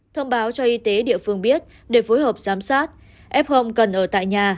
thông báo cho y tế địa phương biết để phối hợp giám sát f home cần ở tại nhà